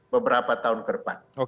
beberapa tahun ke depan